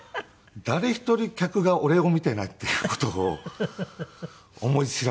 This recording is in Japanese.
誰一人客が俺を見ていないっていう事を思い知らされまして。